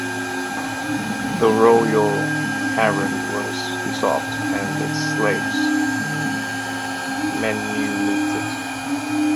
The royal harem was dissolved and its slaves manumitted.